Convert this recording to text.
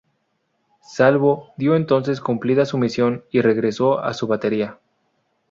Salvo dio entonces cumplida su misión y regresó a su batería.